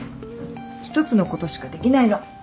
１つのことしかできないの。